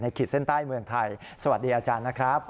ขีดเส้นใต้เมืองไทยสวัสดีอาจารย์นะครับ